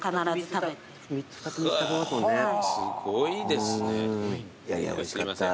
すごいですね。